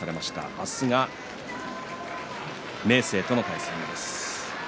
明日は明生との対戦です。